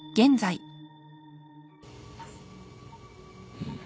うん。